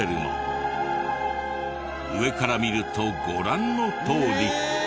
上から見るとご覧のとおり。